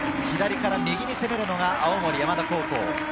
左から右に攻めるのが青森山田高校。